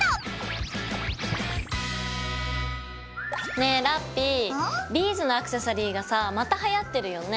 ねえラッピィビーズのアクセサリーがさまたはやってるよね。